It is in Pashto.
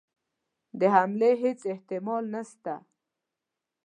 د حملې هیڅ احتمال نسته.